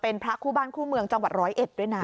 เป็นพระคู่บ้านคู่เมืองจังหวัด๑๐๑ด้วยนะ